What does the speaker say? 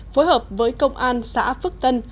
phối hợp với công an xã phước tân